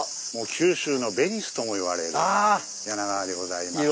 九州のベニスともいわれる柳川でございます。